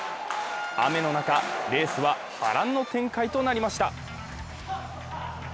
雨の中、レースは波乱の展開となりました。